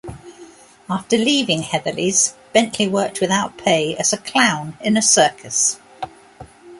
After leaving Heatherley's, Bentley worked without pay as a clown in a circus.